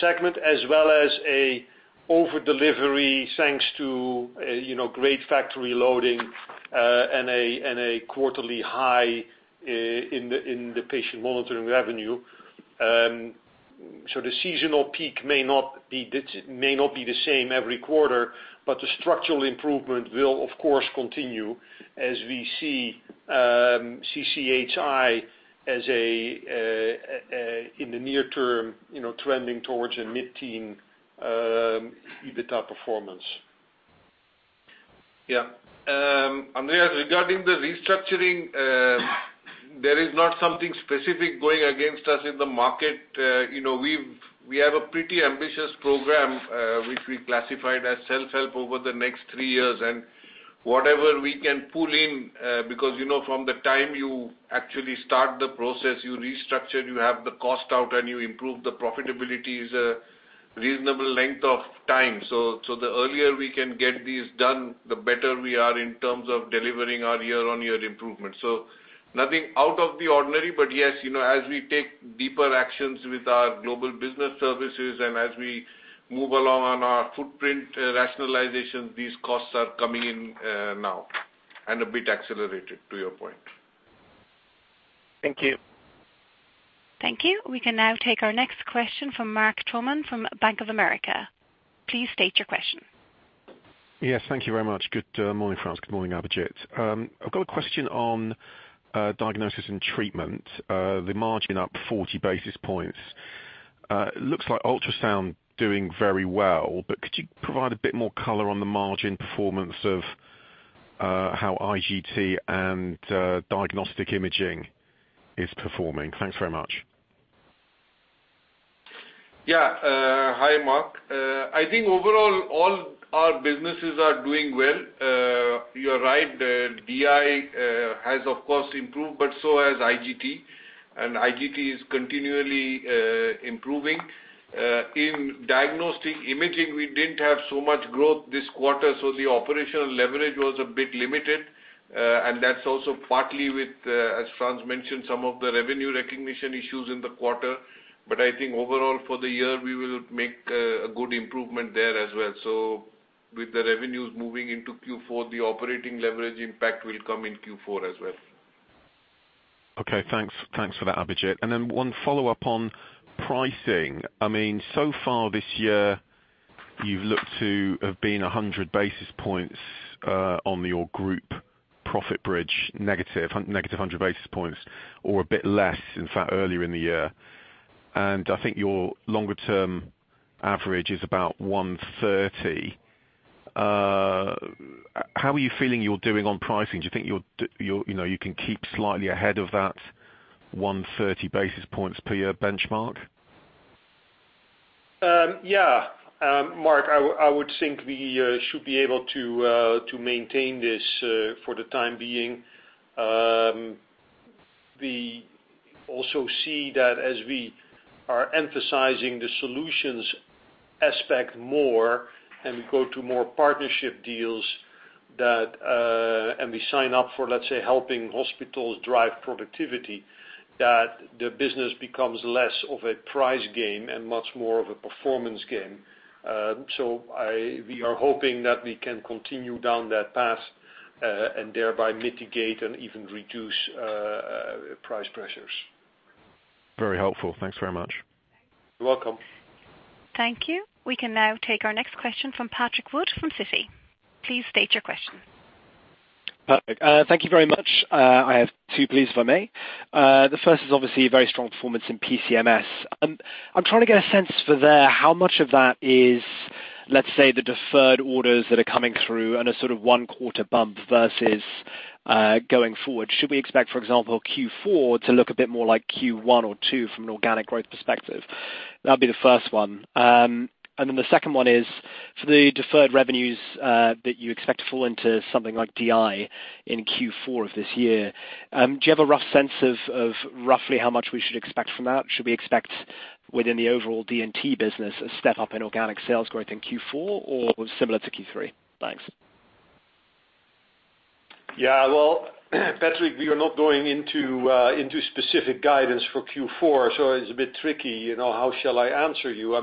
S2: segment as well as an over-delivery thanks to great factory loading and a quarterly high in the patient monitoring revenue. The seasonal peak may not be the same every quarter, but the structural improvement will, of course, continue as we see CCHI as in the near term, trending towards a mid-teen EBITA performance.
S3: Andreas, regarding the restructuring, there is not something specific going against us in the market. We have a pretty ambitious program, which we classified as self-help over the next three years. Whatever we can pull in, because from the time you actually start the process, you restructure, you have the cost out, and you improve the profitability is a reasonable length of time. The earlier we can get these done, the better we are in terms of delivering our year-on-year improvement. Nothing out of the ordinary, but yes, as we take deeper actions with our Global Business Services and as we move along on our footprint rationalization, these costs are coming in now and a bit accelerated to your point.
S2: Thank you.
S4: Thank you. We can now take our next question from Mark Toman from Bank of America. Please state your question.
S8: Yes, thank you very much. Good morning, Frans. Good morning, Abhijit. I've got a question on Diagnosis & Treatment. The margin up 40 basis points. Looks like ultrasound doing very well, could you provide a bit more color on the margin performance of how IGT and Diagnostic Imaging is performing? Thanks very much.
S3: Yeah. Hi, Mark. I think overall all our businesses are doing well. You are right, DI has, of course, improved, so has IGT. IGT is continually improving. In Diagnostic Imaging, we didn't have so much growth this quarter, so the operational leverage was a bit limited. That's also partly with, as Frans mentioned, some of the revenue recognition issues in the quarter. I think overall for the year, we will make a good improvement there as well. With the revenues moving into Q4, the operating leverage impact will come in Q4 as well.
S8: Okay, thanks for that, Abhijit. Then one follow-up on pricing. Far this year, you've looked to have been 100 basis points, on your group profit bridge, negative 100 basis points or a bit less, in fact, earlier in the year. I think your longer term average is about 130. How are you feeling you are doing on pricing? Do you think you can keep slightly ahead of that 130 basis points per year benchmark?
S2: Yeah. Mark, I would think we should be able to maintain this for the time being. We also see that as we are emphasizing the solutions aspect more and we go to more partnership deals and we sign up for, let's say, helping hospitals drive productivity, that the business becomes less of a price game and much more of a performance game. We are hoping that we can continue down that path, and thereby mitigate and even reduce price pressures.
S8: Very helpful. Thanks very much.
S2: You're welcome.
S4: Thank you. We can now take our next question from Patrick Wood from Citi. Please state your question.
S9: Perfect. Thank you very much. I have two, please, if I may. The first is obviously a very strong performance in PCMS. I'm trying to get a sense for there, how much of that is, let's say, the deferred orders that are coming through and a sort of one-quarter bump versus going forward. Should we expect, for example, Q4 to look a bit more like Q1 or Q2 from an organic growth perspective? That'd be the first one. The second one is for the deferred revenues, that you expect to fall into something like DI in Q4 of this year. Do you have a rough sense of roughly how much we should expect from that? Should we expect within the overall D&T business, a step up in organic sales growth in Q4, or similar to Q3? Thanks.
S2: Well, Patrick, we are not going into specific guidance for Q4, it's a bit tricky. How shall I answer you?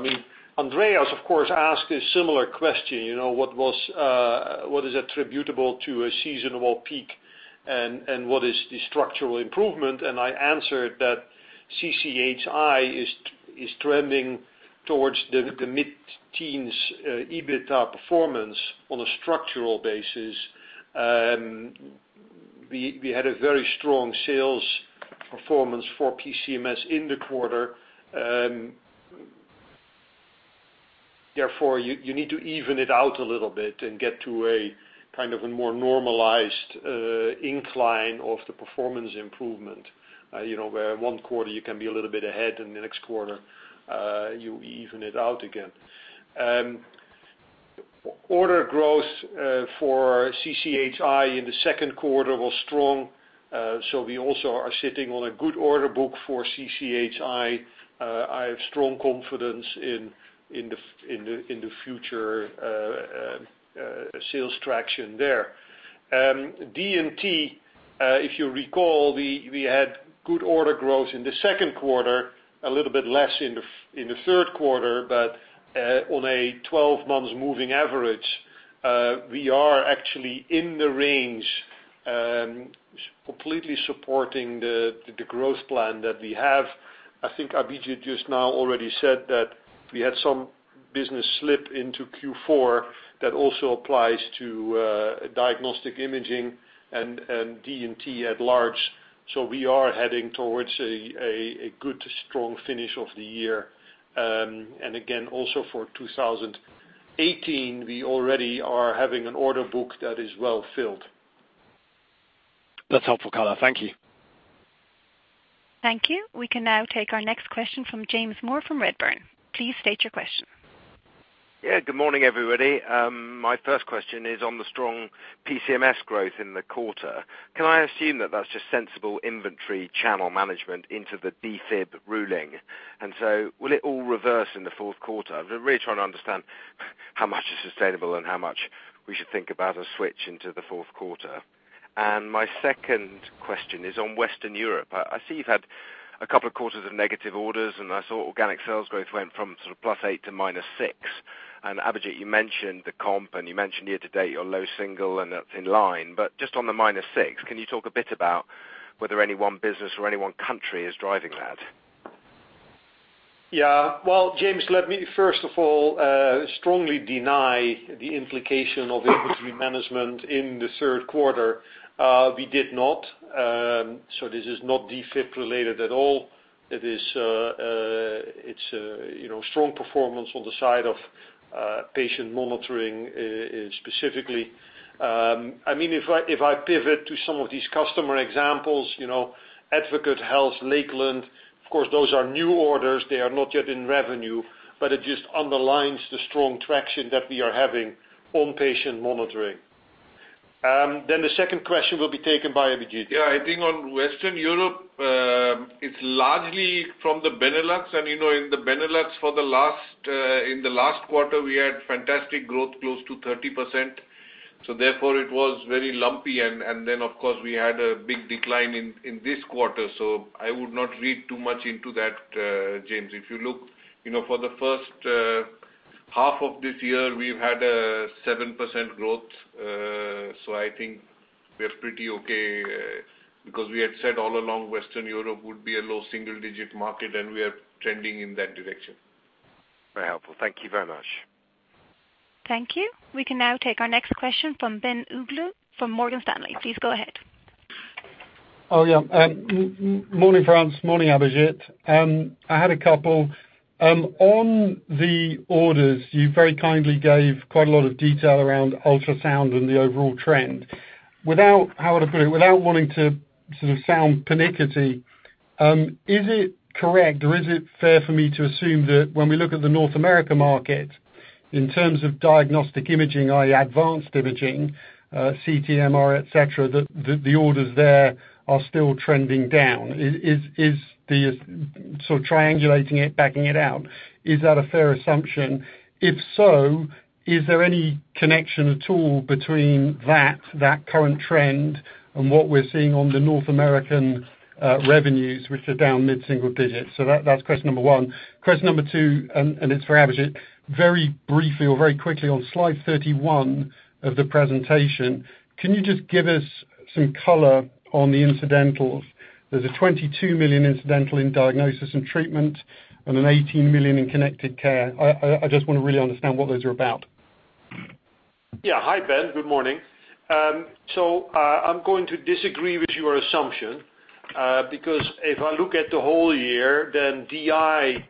S2: Andreas, of course, asked a similar question. What is attributable to a seasonal peak and what is the structural improvement? I answered that CCHI is trending towards the mid-teens EBITA performance on a structural basis. We had a very strong sales performance for PCMS in the quarter. Therefore, you need to even it out a little bit and get to a more normalized incline of the performance improvement. Where one quarter you can be a little bit ahead and the next quarter, you even it out again. Order growth for CCHI in the second quarter was strong. We also are sitting on a good order book for CCHI. I have strong confidence in the future sales traction there. D&T, if you recall, we had good order growth in the second quarter, a little bit less in the third quarter, but on a 12 months moving average, we are actually in the range, completely supporting the growth plan that we have. I think Abhijit just now already said that we had some business slip into Q4 that also applies to Diagnostic Imaging and D&T at large. We are heading towards a good, strong finish of the year. Again, also for 2018, we already are having an order book that is well-filled.
S9: That's helpful, Frans. Thank you.
S4: Thank you. We can now take our next question from James Moore of Redburn. Please state your question.
S10: Yeah. Good morning, everybody. My first question is on the strong PCMS growth in the quarter. Can I assume that that's just sensible inventory channel management into the defib ruling? Will it all reverse in the fourth quarter? I'm really trying to understand how much is sustainable and how much we should think about a switch into the fourth quarter. My second question is on Western Europe. I see you've had a couple of quarters of negative orders, and I saw organic sales growth went from sort of plus eight to minus six. Abhijit, you mentioned the comp, and you mentioned year-to-date, you're low single, and that's in line. Just on the minus six, can you talk a bit about whether any one business or any one country is driving that?
S2: Yeah. Well, James, let me first of all, strongly deny the implication of inventory management in the third quarter. We did not. This is not defib related at all. It's strong performance on the side of patient monitoring, specifically. If I pivot to some of these customer examples, Advocate Health, Lakeland, of course, those are new orders. They are not yet in revenue, but it just underlines the strong traction that we are having on patient monitoring. The second question will be taken by Abhijit.
S3: Yeah, I think on Western Europe, it's largely from the Benelux. In the Benelux in the last quarter, we had fantastic growth close to 30%. It was very lumpy. Of course, we had a big decline in this quarter. I would not read too much into that, James. If you look for the first half of this year, we've had a 7% growth. I think we're pretty okay, because we had said all along Western Europe would be a low single-digit market, we are trending in that direction.
S10: Very helpful. Thank you very much.
S4: Thank you. We can now take our next question from Ben Uglow from Morgan Stanley. Please go ahead.
S11: Yeah. Morning, Frans. Morning, Abhijit. I had a couple. On the orders, you very kindly gave quite a lot of detail around ultrasound and the overall trend. How would I put it? Without wanting to sort of sound pernickety, is it correct or is it fair for me to assume that when we look at the North America market, in terms of diagnostic imaging, i.e. advanced imaging, CT, MR, et cetera, that the orders there are still trending down. Sort of triangulating it, backing it out. Is that a fair assumption? If so, is there any connection at all between that current trend and what we're seeing on the North American revenues, which are down mid-single digits? So that's question number one. Question number two, it's for Abhijit. Very briefly or very quickly on slide 31 of the presentation, can you just give us some color on the incidentals? There's a 22 million incidental in Diagnosis & Treatment and a 18 million in Connected Care. I just want to really understand what those are about.
S2: Hi, Ben. Good morning. I'm going to disagree with your assumption, because if I look at the whole year, DI,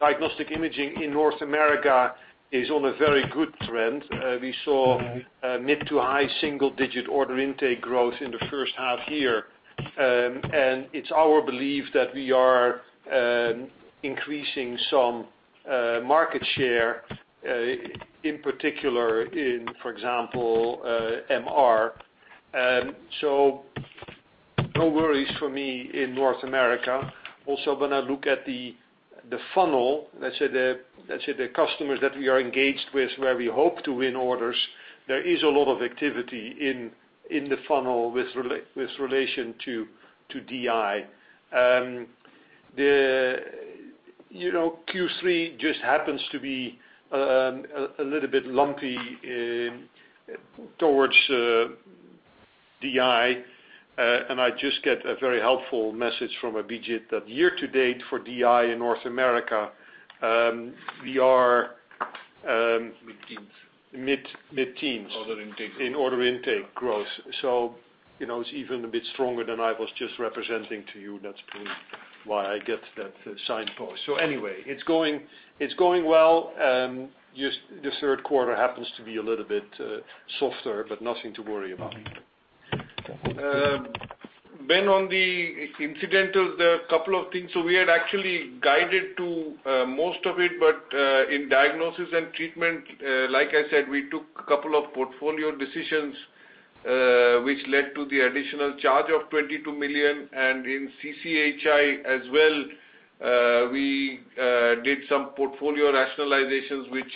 S2: Diagnostic Imaging in North America is on a very good trend. We saw mid to high single-digit order intake growth in the first half year. It's our belief that we are increasing some market share, in particular in, for example, MR. No worries for me in North America. When I look at the funnel, let's say the customers that we are engaged with where we hope to win orders, there is a lot of activity in the funnel with relation to DI. Q3 just happens to be a little bit lumpy towards DI. I just get a very helpful message from Abhijit that year-to-date for DI in North America, we are-
S3: Mid-teens
S2: mid-teens.
S3: Order intake.
S2: In order intake growth. It's even a bit stronger than I was just representing to you. That's probably why I get that signpost. Anyway, it's going well. Just the third quarter happens to be a little bit softer, nothing to worry about.
S3: Ben, on the incidentals there are a couple of things. We had actually guided to most of it, in Diagnosis & Treatment, like I said, we took a couple of portfolio decisions, which led to the additional charge of 22 million. In CCHI as well, we did some portfolio rationalizations, which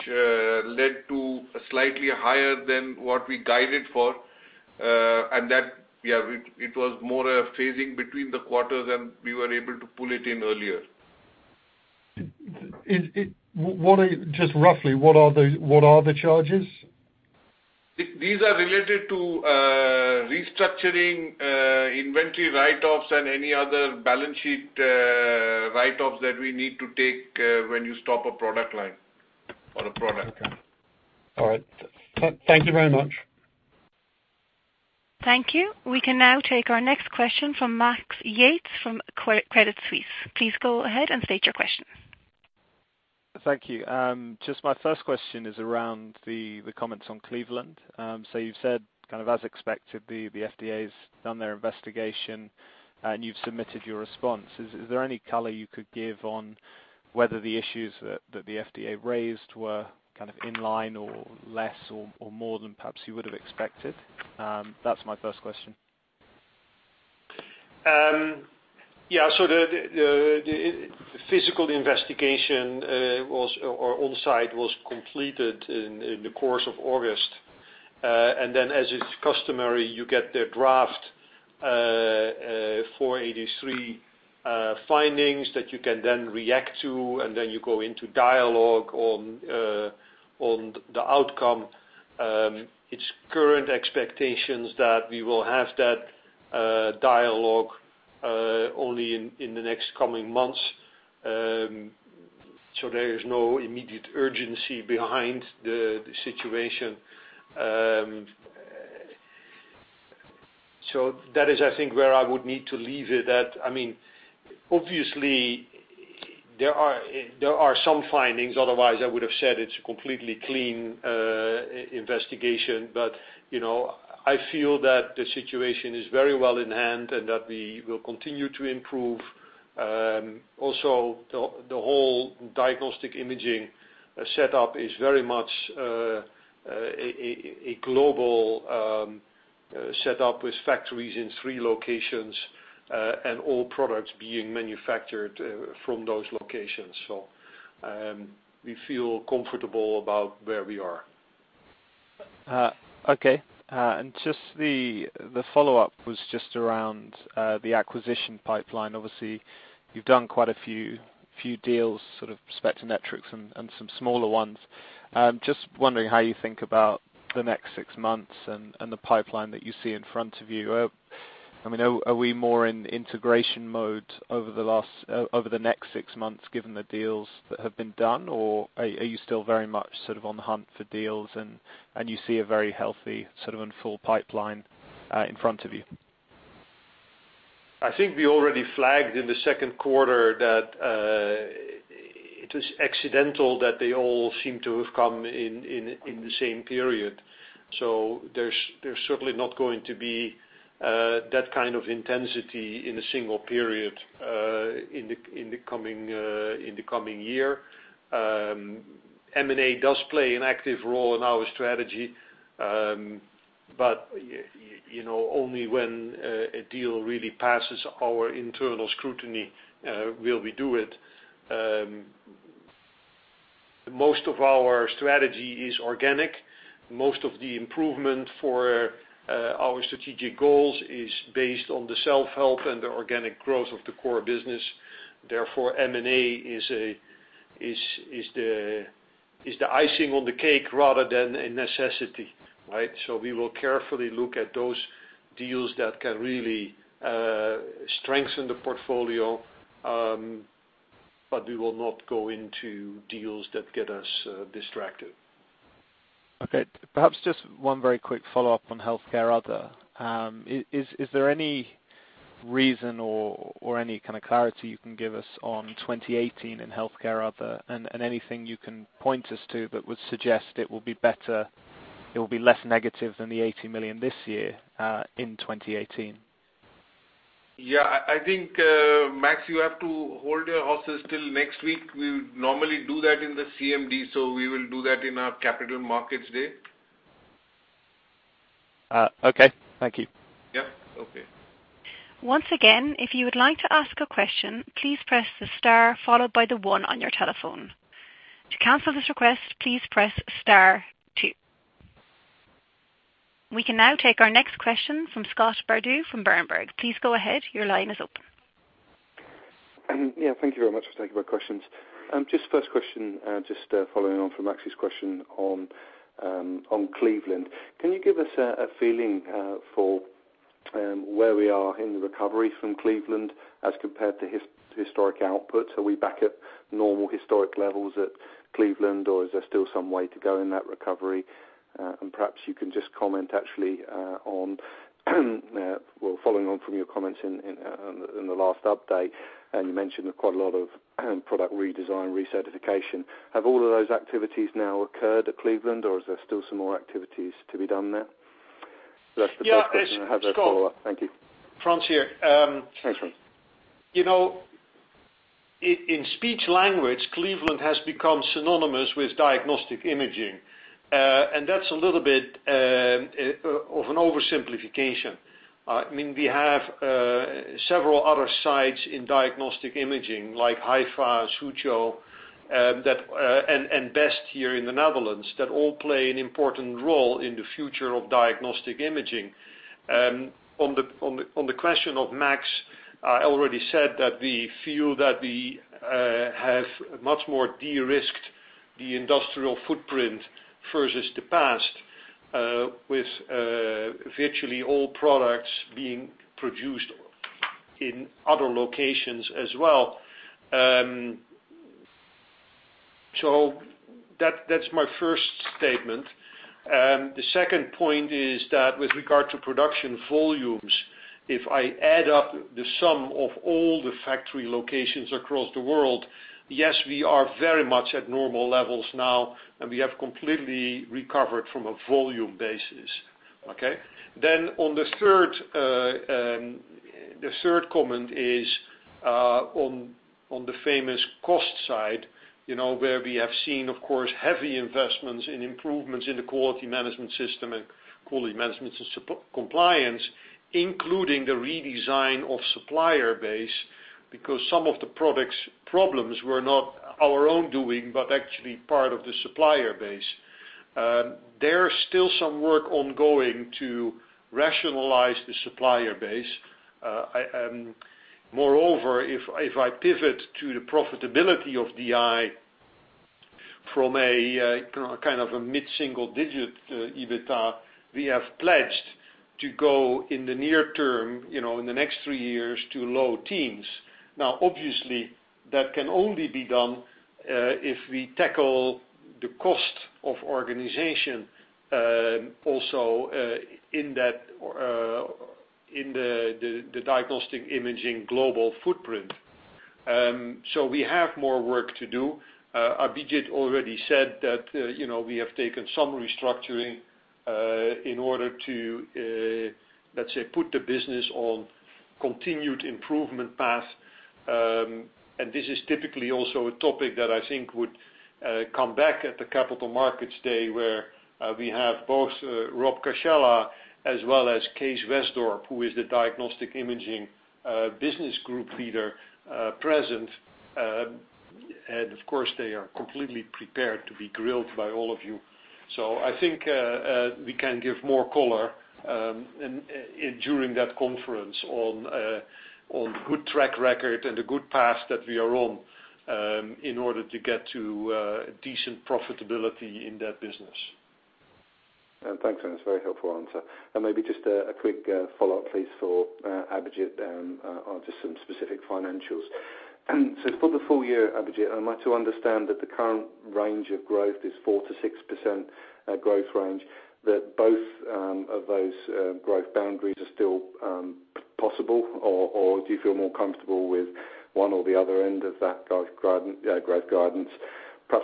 S3: led to slightly higher than what we guided for. It was more a phasing between the quarters, and we were able to pull it in earlier.
S11: Just roughly, what are the charges?
S3: These are related to restructuring, inventory write-offs, and any other balance sheet write-offs that we need to take when you stop a product line or a product.
S11: Okay. All right. Thank you very much.
S4: Thank you. We can now take our next question from Max Yates from Credit Suisse. Please go ahead and state your question.
S12: Thank you. Just my first question is around the comments on Cleveland. You've said, as expected, the FDA's done their investigation, and you've submitted your response. Is there any color you could give on whether the issues that the FDA raised were inline or less or more than perhaps you would've expected? That's my first question.
S2: Yeah. The physical investigation on-site was completed in the course of August. As is customary, you get their draft 483 findings that you can then react to, and then you go into dialogue on the outcome. It's current expectations that we will have that dialogue only in the next coming months. There is no immediate urgency behind the situation. That is, I think, where I would need to leave it at. Obviously, there are some findings, otherwise I would've said it's a completely clean investigation. I feel that the situation is very well in hand, and that we will continue to improve. The whole Diagnostic Imaging setup is very much a global setup with factories in 3 locations, and all products being manufactured from those locations. We feel comfortable about where we are.
S12: Okay. Just the follow-up was just around the acquisition pipeline. Obviously, you've done quite a few deals, sort of Spectranetics and some smaller ones. Just wondering how you think about the next 6 months and the pipeline that you see in front of you. Are we more in integration mode over the next 6 months, given the deals that have been done? Are you still very much sort of on the hunt for deals, and you see a very healthy and full pipeline in front of you?
S2: I think we already flagged in the 2nd quarter that it was accidental that they all seem to have come in the same period. There's certainly not going to be that kind of intensity in a single period, in the coming year. M&A does play an active role in our strategy. Only when a deal really passes our internal scrutiny, will we do it. Most of our strategy is organic. Most of the improvement for our strategic goals is based on the self-help and the organic growth of the core business. Therefore, M&A is the icing on the cake rather than a necessity. Right? We will carefully look at those deals that can really strengthen the portfolio, we will not go into deals that get us distracted.
S12: Okay. Perhaps just one very quick follow-up on healthcare other. Is there any reason or any kind of clarity you can give us on 2018 in healthcare other? Anything you can point us to that would suggest it will be less negative than the 80 million this year, in 2018?
S3: Yeah. I think, Max, you have to hold your horses till next week. We normally do that in the CMD, so we will do that in our capital markets day.
S12: Okay. Thank you.
S3: Yep. Okay.
S4: Once again, if you would like to ask a question, please press the star followed by the one on your telephone. To cancel this request, please press star two. We can now take our next question from Scott Bardo from Berenberg. Please go ahead. Your line is open.
S13: Yeah. Thank you very much for taking my questions. Just first question, just following on from Max's question on Cleveland. Can you give us a feeling for where we are in the recovery from Cleveland as compared to historic outputs? Are we back at normal historic levels at Cleveland, or is there still some way to go in that recovery? Perhaps you can just comment actually on, well, following on from your comments in the last update, and you mentioned quite a lot of product redesign, recertification. Have all of those activities now occurred at Cleveland, or is there still some more activities to be done there? That's the first question. I have a follow-up. Thank you.
S2: Frans here.
S13: Thanks, Frans.
S2: In speech language, Cleveland has become synonymous with Diagnostic Imaging. That's a little bit of an oversimplification. We have several other sites in Diagnostic Imaging, like Haifa, Suzhou, and Best here in the Netherlands, that all play an important role in the future of Diagnostic Imaging. On the question of Max, I already said that we feel that we have much more de-risked the industrial footprint versus the past, with virtually all products being produced in other locations as well. That's my first statement. The second point is that with regard to production volumes, if I add up the sum of all the factory locations across the world, yes, we are very much at normal levels now, and we have completely recovered from a volume basis. Okay? The third comment is on the famous cost side, where we have seen, of course, heavy investments in improvements in the quality management system and quality management compliance, including the redesign of supplier base, because some of the products' problems were not our own doing, but actually part of the supplier base. There is still some work ongoing to rationalize the supplier base. Moreover, if I pivot to the profitability of DI from a mid-single digit EBITA, we have pledged to go in the near term, in the next three years, to low teens. Obviously, that can only be done if we tackle the cost of organization, also in the Diagnostic Imaging global footprint. We have more work to do. Abhijit already said that we have taken some restructuring in order to, let's say, put the business on continued improvement path. This is typically also a topic that I think would come back at the Capital Markets Day, where we have both Rob Cascella as well as Kees Wesdorp, who is the Diagnostic Imaging Business Group Leader present. Of course, they are completely prepared to be grilled by all of you. I think we can give more color during that conference on good track record and the good path that we are on in order to get to decent profitability in that business.
S13: Thanks. That's a very helpful answer. Maybe just a quick follow-up, please, for Abhijit on just some specific financials. For the full year, Abhijit, am I to understand that the current range of growth is 4%-6% growth range, that both of those growth boundaries are still possible? Do you feel more comfortable with one or the other end of that growth guidance?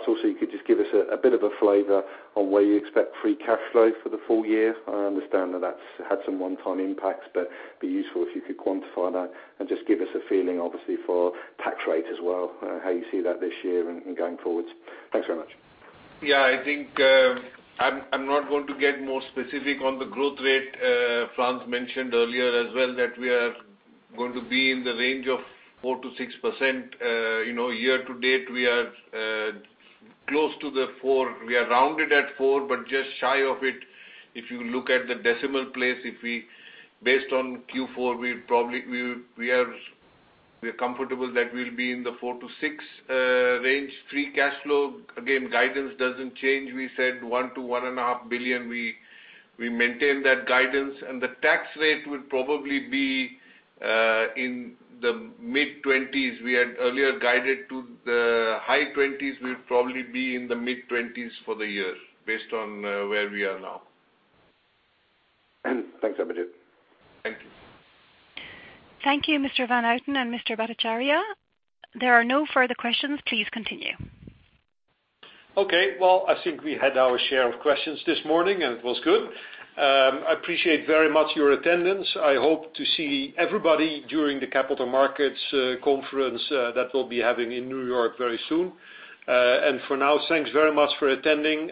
S13: Also you could just give us a bit of a flavor on where you expect free cash flow for the full year. I understand that that's had some one-time impacts, but it'd be useful if you could quantify that and just give us a feeling, obviously, for tax rate as well, how you see that this year and going forward. Thanks very much.
S3: Yeah, I think I'm not going to get more specific on the growth rate. Frans mentioned earlier as well that we are going to be in the range of 4%-6%. Year to date, we are close to the four. We are rounded at four, but just shy of it. If you look at the decimal place, based on Q4, we are comfortable that we'll be in the four to six range. Free cash flow, again, guidance doesn't change. We said 1 billion-1.5 billion. We maintain that guidance. The tax rate will probably be in the mid-20s. We had earlier guided to the high 20s. We'll probably be in the mid-20s for the year based on where we are now.
S13: Thanks, Abhijit.
S3: Thank you.
S4: Thank you, Mr. van Houten and Mr. Bhattacharya. There are no further questions. Please continue.
S2: Okay. Well, I think we had our share of questions this morning, and it was good. I appreciate very much your attendance. I hope to see everybody during the Capital Markets Conference that we'll be having in New York very soon. For now, thanks very much for attending.